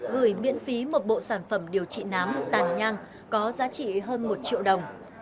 gửi miễn phí một bộ sản phẩm điều trị nám tàn nhang có giá trị hơn một triệu đồng